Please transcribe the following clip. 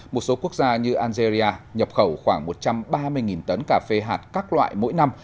một số quốc gia như algeria nhập khẩu khoảng một trăm ba mươi tấn cà phê hạt các loại mỗi năm